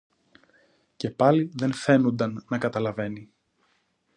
Και πάλι δε φαίνουνταν να καταλαβαίνει